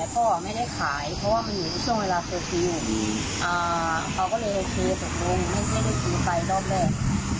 ก็ไม่ได้ขายเพราะว่ามีช่วงเวลาเซอร์ทรีย์อยู่อ่าเขาก็เลยเครียร์ตกลงไม่ได้เครียร์ไปรอบแรก